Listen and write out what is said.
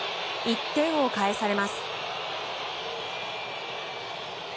１点を返されます。